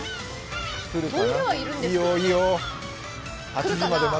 来るかな？